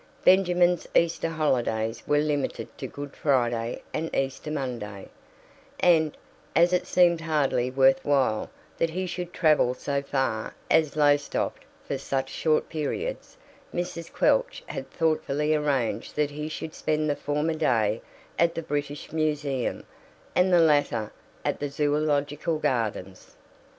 Benjamin's Easter holidays were limited to Good Friday and Easter Monday, and, as it seemed hardly worth while that he should travel so far as Lowestoft for such short periods, Mrs. Quelch had thoughtfully arranged that he should spend the former day at the British Museum and the latter at the Zoological Gardens.